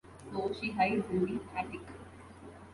So she hides in the attic.